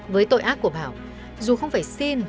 với tội ác của bảo dù không phải xin